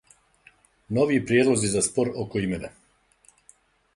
Нови приједлози за спор око имена